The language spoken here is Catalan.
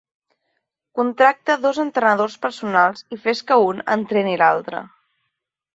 Contracta dos entrenadors personals i fes que un entreni l'altre.